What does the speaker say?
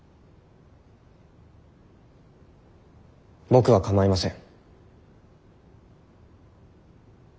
僕は構いません。